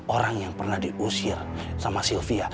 orang yang pernah diusir sama sylvia